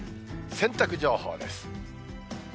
洗濯情報です。